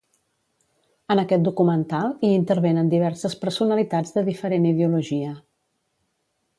En aquest documental hi intervenen diverses personalitats de diferent ideologia.